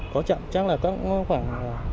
có chậm chắc là có khoảng